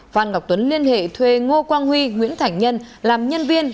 phan ngọc tuấn liên hệ thuê ngô quang huy nguyễn thảnh nhân làm nhân viên